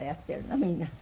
みんな。